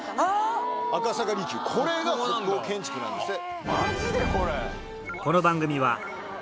これが国宝建築なんですって。